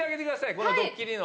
このドッキリの。